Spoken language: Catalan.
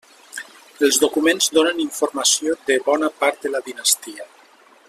Els documents donen informació de bona part de la dinastia.